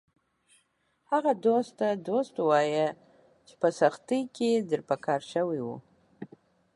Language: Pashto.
هغه دوست ته دوست ووایه چې په سختۍ کې در په کار شوی و